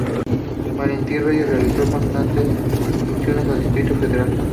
Valentín Reyes realizó constantes incursiones al Distrito Federal.